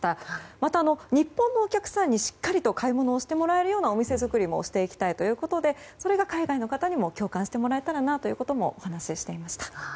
また、日本のお客さんにしっかりと買い物をしてもらえるようなお店作りもしていきたいということでそれが海外の方にも共感してもらえたらなというふうにお話をしていました。